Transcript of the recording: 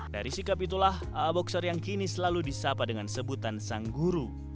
dari sikap itulah aa boxer yang kini selalu disapa dengan sebutan sang guru